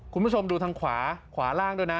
คุณผู้ชมดูทางขวาขวาล่างด้วยนะ